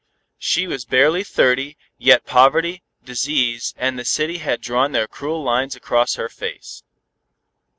She was barely thirty, yet poverty, disease and the city had drawn their cruel lines across her face.